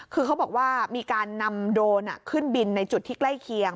คือเขาบอกว่ามีการนำโดรนขึ้นบินในจุดที่ใกล้เคียง